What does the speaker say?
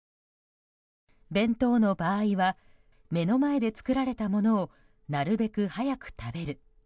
弁当の場合は目の前で作られたものをなるべく早く食べる。